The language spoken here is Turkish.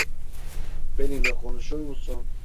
Benimle konuşur musun?